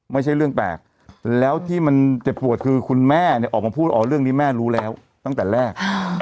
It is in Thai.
ไม่ใช่เรื่องแปลกแล้วที่มันเจ็บปวดคือคุณแม่เนี่ยออกมาพูดอ๋อเรื่องนี้แม่รู้แล้วตั้งแต่แรก